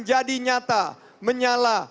jadi nyata menyala